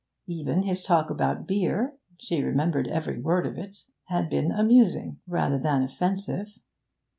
Even his talk about beer (she remembered every word of it) had been amusing rather than offensive.